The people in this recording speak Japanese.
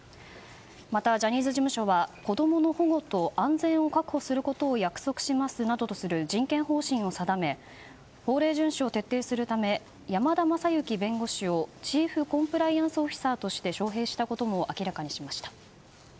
また、ジャニーズ事務所は子供の保護と安全を確保することを約束しますなどとする人権方針を定め法令順守を徹底するため山田将之弁護士をチーフコンプライアンスオフィサーとして招へいしたことも明らかにしました。